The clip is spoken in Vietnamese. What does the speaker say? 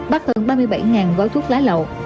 bắt hơn ba mươi bảy gói thuốc lá lậu